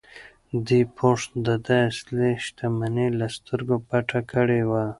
دې پوښ د ده اصلي شتمني له سترګو پټه کړې وه.